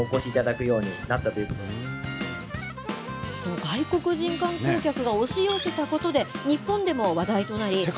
外国人観光客が押し寄せたことで、日本でも話題となり。